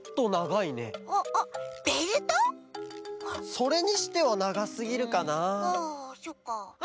それにしてはながすぎるかなあ。